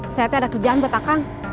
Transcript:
saya te ada kerjaan buat kak kang